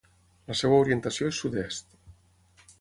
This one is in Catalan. La seva orientació és sud-est.